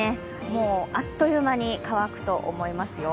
もう、あっという間に乾くと思いますよ。